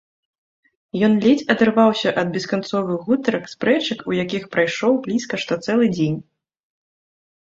Ён ледзь адарваўся ад бесканцовых гутарак, спрэчак, у якіх прайшоў блізка што цэлы дзень.